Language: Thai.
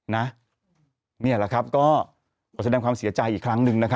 นี่แหละครับประสบรรยายความเสียใจอีกครั้งหนึ่ง